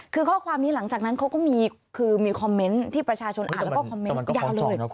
คือข้อความนี้หลังจากนั้นเขาก็มีคือมีคอมเมนต์ที่ประชาชนอ่านแล้วก็คอมเมนต์ยาวเลย